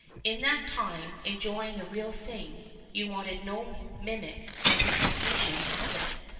In that time, enjoying the real thing, you wanted no mimic repre sentation of it.